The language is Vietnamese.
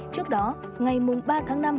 trước đó ngày ba tháng năm